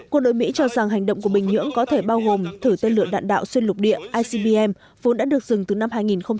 quân đội mỹ cho rằng hành động của bình nhưỡng có thể bao gồm thử tên lửa đạn đạo xuyên lục địa icbm vốn đã được dừng từ năm hai nghìn một mươi